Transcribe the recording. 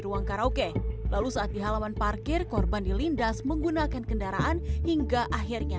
ruang karaoke lalu saat di halaman parkir korban dilindas menggunakan kendaraan hingga akhirnya